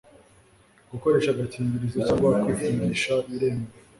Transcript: gukoresha agakingirizo cyangwa kwifungishabiremewe